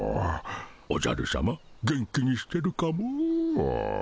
おじゃるさま元気にしてるかモ。